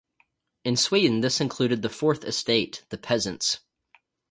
In Sweden this included the fourth estate, the Peasants.